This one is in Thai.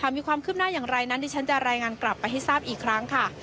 มีความคืบหน้าอย่างไรนั้นดิฉันจะรายงานกลับไปให้ทราบอีกครั้งค่ะ